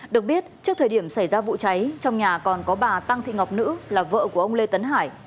được biết trước thời điểm xảy ra vụ cháy trong nhà còn có bà tăng thị ngọc nữ là vợ của ông lê tấn hải